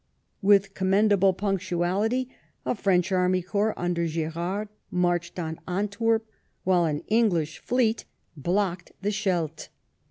With commend able punctuality a French army corps under G6rard marched on Antwerp, while an English fleet blocked the Scheldt.